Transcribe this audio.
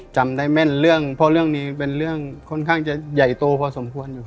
จำได้แม่นเรื่องเพราะเรื่องนี้เป็นเรื่องค่อนข้างจะใหญ่โตพอสมควรอยู่